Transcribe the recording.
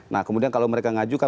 nah kemudian kalau mereka ngajukan